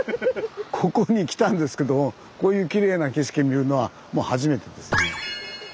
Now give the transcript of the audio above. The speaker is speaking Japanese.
ここに来たんですけどもこういうきれいな景色見るのは初めてですね。